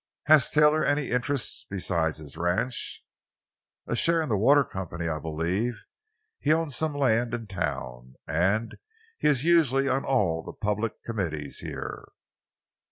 "Has Taylor any interests besides his ranch?" "A share in the water company, I believe. He owns some land in town; and he is usually on all the public committees here."